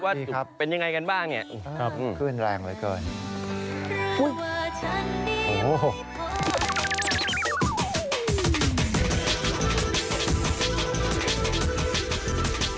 ว่าเป็นอย่างไรกันบ้างเนี่ยครับอืมครับคลื่นแรงเลยกัน